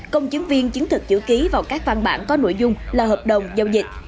công chứng viên chứng thực chữ ký vào các văn bản có nội dung là hợp đồng giao dịch